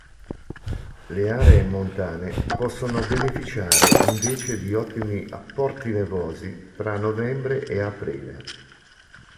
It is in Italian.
Le aree montane possono beneficiare invece di ottimi apporti nevosi tra novembre e aprile.